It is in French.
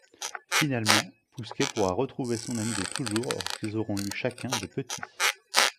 Finalement, Pousquet pourra retrouver son ami de toujours lorsqu'ils auront eu chacun des petits.